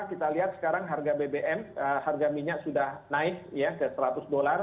kita lihat sekarang harga bbm harga minyak sudah naik ke seratus dolar